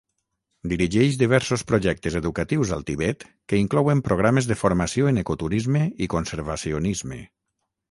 Dirigeix diversos projectes educatius al Tibet que inclouen programes de formació en ecoturisme i conservacionisme.